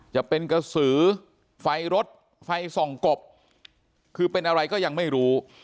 จะเป็นกระสือไฟรถไฟส่องกบคือเป็นอะไรก็ยังไม่รู้